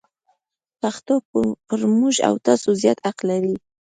پښتو پر موږ او تاسو زیات حق لري.